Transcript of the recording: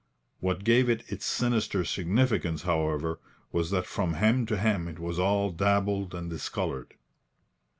What gave it its sinister significance, however, was that from hem to hem it was all dabbled and discoloured.